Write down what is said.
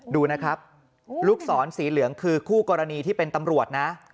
ดูนะครับลูกศรสีเหลืองคือคู่กรณีที่เป็นตำรวจนะ